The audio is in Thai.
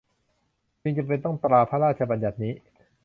จึงจำเป็นต้องตราพระราชบัญญัตินี้